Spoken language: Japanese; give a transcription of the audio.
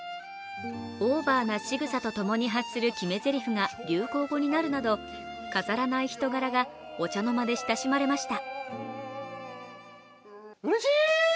オーバーなしぐさと共に発する決めぜりふが流行語になるなど飾らない人柄が、お茶の間で親しまれました。